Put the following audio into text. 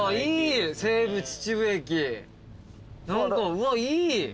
うわっいい。